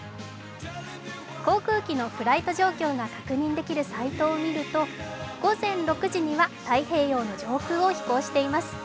航空機のフライト状況が確認できるサイトを見ると午前６時には太平洋の上空を飛行しています。